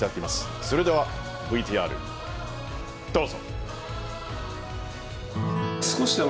それではＶＴＲ、どうぞ。